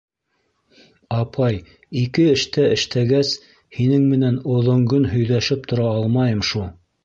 Апай, ике эштә эштәгәс, һинең менән оҙонгөн һөйҙәшеп тора алмайым шу.